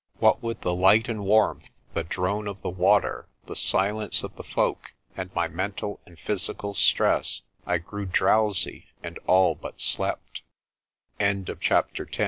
What with the light and the warmth, the drone of the water, the silence of the folk, and my mental and physical stress, I grew drowsy and all